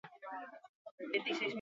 Kanporaketak honako hauexek izan ziren.